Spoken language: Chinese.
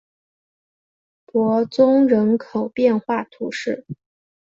伯宗人口变化图示